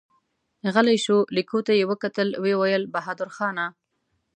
غلی شو، ليکو ته يې وکتل، ويې ويل: بهادرخانه!